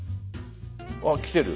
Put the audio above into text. あっ来てる。